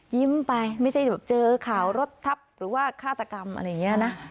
ยิ้มไปไม่ใช่แบบเจอข่าวรถทับหรือว่าฆาตกรรมอะไรอย่างนี้นะ